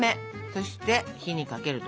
そして火にかけると。